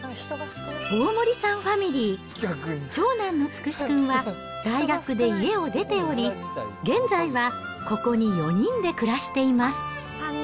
大森さんファミリー、長男のつくし君は大学で家を出ており、現在はここに４人で暮らしています。